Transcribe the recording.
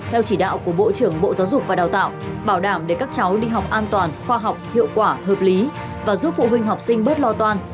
theo chỉ đạo của bộ trưởng bộ giáo dục và đào tạo bảo đảm để các cháu đi học an toàn khoa học hiệu quả hợp lý và giúp phụ huynh học sinh bớt lo toan